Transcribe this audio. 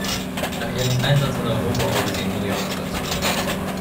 Nach ihrem Einsatz in Europa wurde sie in New York stationiert.